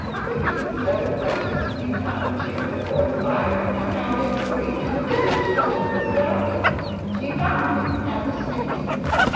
Ribby settled Duchess in an armchair before the fire, and went out and hurried to the village to look for the doctor. She found him at the smithy.